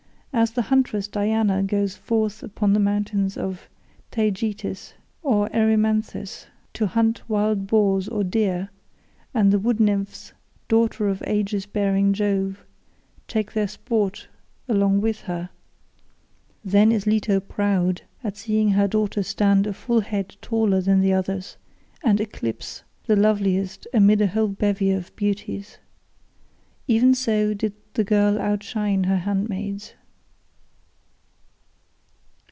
As the huntress Diana goes forth upon the mountains of Taygetus or Erymanthus to hunt wild boars or deer, and the wood nymphs, daughters of Aegis bearing Jove, take their sport along with her (then is Leto proud at seeing her daughter stand a full head taller than the others, and eclipse the loveliest amid a whole bevy of beauties), even so did the girl outshine her handmaids.